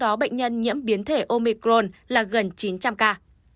có bệnh nhân nhiễm biến thể omicron là gần chín trăm linh ca